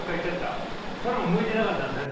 それも向いてなかったんですね。